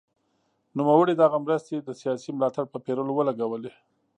نوموړي دغه مرستې د سیاسي ملاتړ په پېرلو ولګولې.